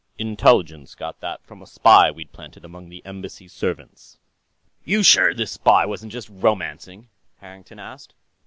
"Intelligence got that from a spy we'd planted among the embassy servants." "You sure this spy wasn't just romancing?" Harrington asked.